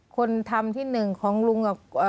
คนทำที่หนึ่งของลุงกับ